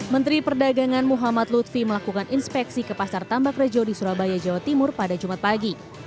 menteri perdagangan muhammad lutfi melakukan inspeksi ke pasar tambak rejo di surabaya jawa timur pada jumat pagi